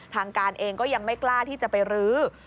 ทางการเองก็ยังไม่กล้าที่จะไปรื้อ